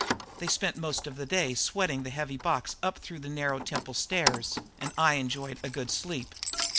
They spent most of the day sweating the heavy box up through the narrow temple stairs and I enjoyed a good sleep.